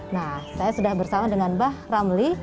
nah saya sudah bersama dengan mbah ramli